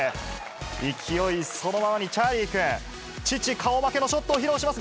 勢いそのままにチャーリー君、父顔負けのショットを披露します。